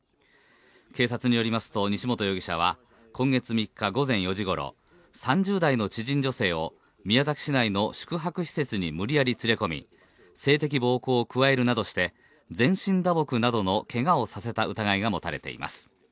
警察によりますと西本容疑者は今月３日午前４時ごろ３０代の知人女性を宮崎市内の宿泊施設に無理やり連れ込み性的暴行を加えるなどして全身打撲などのけがをさせた疑いが持たれています